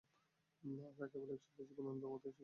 আমরা কেবলই একসাথে জীবনের নতুন অধ্যায় শুরু করেছিলাম।